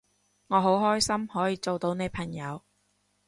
我好開心可以做到你朋友